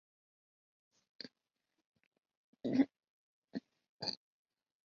他倾向于梁启超等立宪派的立场。